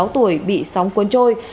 một mươi sáu tuổi bị sóng cuốn trôi